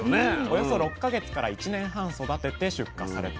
およそ６か月から１年半育てて出荷されています。